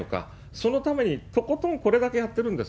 そのためにとことん、これだけやってるんです。